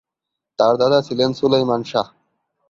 তার দাদা ছিলেন সুলেইমান শাহ।